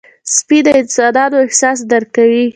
سپي د انسانانو احساس درک کوي.